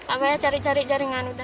apa ya cari cari jaringan udah